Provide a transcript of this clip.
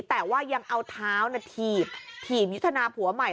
แต่ว่ายังเอาเท้าถีบถีบมิทนาผัวใหม่